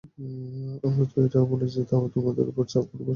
আমরা তো এটাই বলি যে, তোমার উপর আমাদের কোন উপাস্যের অশুভ দৃষ্টি পড়েছে।